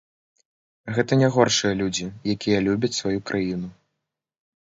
Гэта не горшыя людзі, якія любяць сваю краіну.